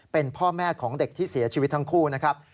เป็นพ่อแม่ของเด็กที่เสียชีวิตทั้งคู่นะครับ